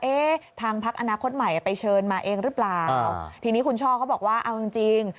เอ๊ะทางพักอนาคตใหม่ไปเชิญมาเองหรือเปล่าทีนี้คุณช่อเขาบอกว่าเอาจริงจริง